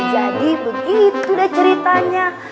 nah jadi begitu dah ceritanya